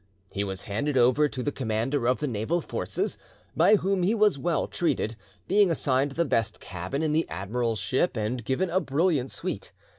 He was handed over to the commander of the naval forces, by whom he was well treated, being assigned the best cabin in the admiral's ship and given a brilliant suite.